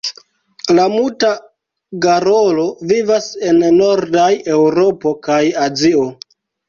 La Muta garolo vivas en nordaj Eŭropo kaj Azio.